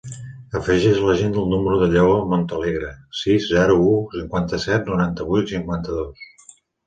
Afegeix a l'agenda el número del Lleó Montealegre: sis, zero, u, cinquanta-set, noranta-vuit, cinquanta-dos.